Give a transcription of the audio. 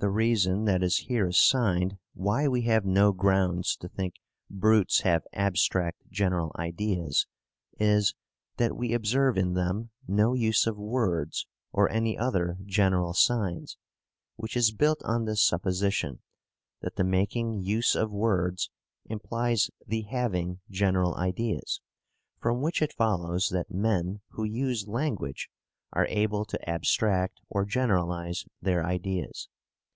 The reason that is here assigned why we have no grounds to think brutes have abstract general ideas is, that we observe in them no use of words or any other general signs; which is built on this supposition that the making use of words implies the having general ideas. From which it follows that men who use language are able to abstract or generalize their ideas.